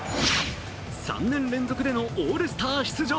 ３年連続でのオールスター出場。